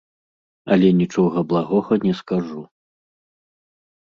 Але нічога благога не скажу.